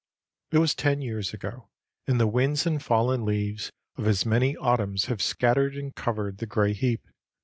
It was ten years ago, and the winds and fallen leaves of as many autumns have scattered and covered the gray heap.